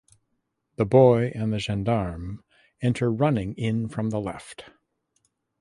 The boy and the gendarme enter running in from the left.